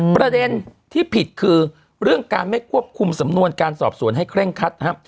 ประเด็นที่ผิดคือเรื่องการไม่ควบคุมสำนวนการสอบสวนให้เคร่งคัดครับ